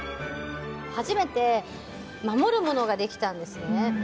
初めて守るものができたんですよね。